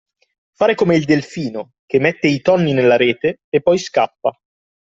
Fare come il delfino, che mette i tonni nella rete e poi scappa.